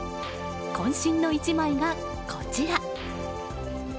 渾身の１枚がこちら。